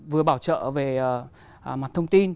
vừa bảo trợ về mặt thông tin